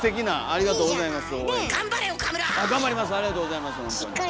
ありがとうございます。